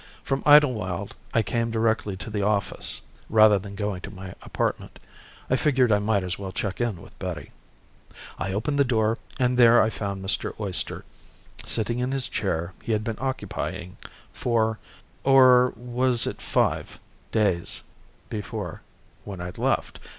From Idlewild, I came directly to the office rather than going to my apartment. I figured I might as well check in with Betty. I opened the door and there I found Mr. Oyster sitting in the chair he had been occupying four or was it five days before when I'd left.